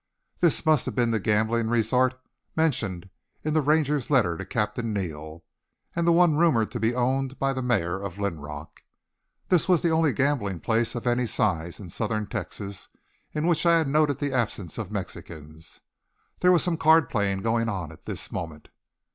This must have been the gambling resort mentioned in the Ranger's letter to Captain Neal and the one rumored to be owned by the mayor of Linrock. This was the only gambling place of any size in southern Texas in which I had noted the absence of Mexicans. There was some card playing going on at this moment.